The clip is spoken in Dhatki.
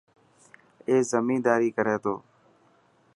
اي زميداري ڪري ٿو.